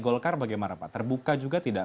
golkar bagaimana pak terbuka juga tidak